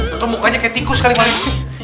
atau mukanya kayak tikus kali paling